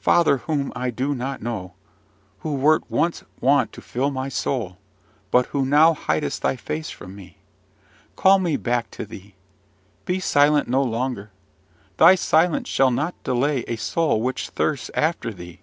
Father, whom I know not, who wert once wont to fill my soul, but who now hidest thy face from me, call me back to thee; be silent no longer; thy silence shall not delay a soul which thirsts after thee.